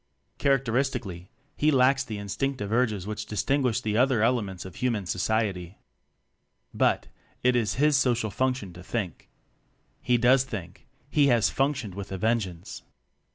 Characteristically he lacks the instinctive urges which distinguish the other elements of human society. But, it is his social function to think. He does think he has functioned with a vengeance!